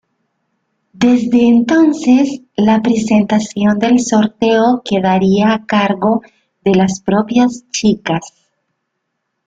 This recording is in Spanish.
Desde entonces, la presentación del sorteo quedaría a cargo de las propias chicas.